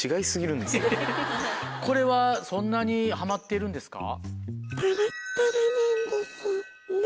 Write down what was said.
これはそんなにハマっているんですか？